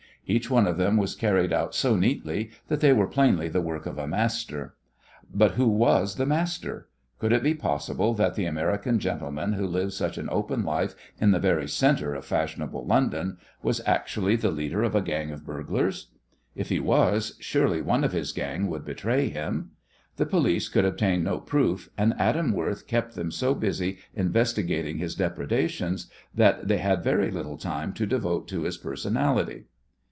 Each one of them was carried out so neatly that they were plainly the work of a master. But who was the master? Could it be possible that the American gentleman who lived such an open life in the very centre of fashionable London was actually the leader of a gang of burglars? If he was, surely one of his gang would betray him? The police could obtain no proof, and Adam Worth kept them so busy investigating his depredations that they had very little time to devote to his personality.